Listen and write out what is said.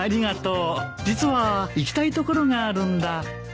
実は行きたい所があるんだ。